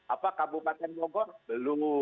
apa kabupaten bogor belum